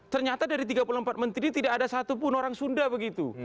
ternyata dari tiga puluh empat menteri tidak ada satupun orang sunda begitu